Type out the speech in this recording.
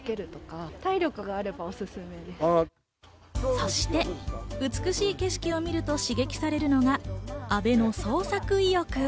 そして、美しい景色を見ると刺激されるのが阿部の創作意欲。